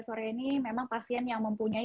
sore ini memang pasien yang mempunyai